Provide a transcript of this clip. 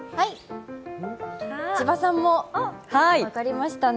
千葉さんも分かりましたね。